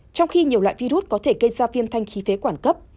trong khi nhiều loại virus có thể gây ra viêm thanh khí phế quản cấp